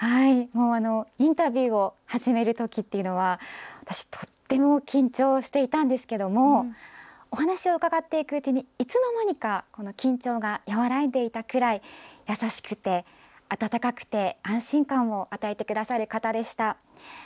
インタビューを始めるとき私、とても緊張していたんですですけどお話を伺っていくうちにいつの間にか緊張が和らいでいたくらい優しくて温かくて安心感を与えてくださる方でした。